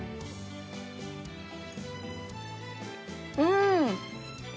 うん！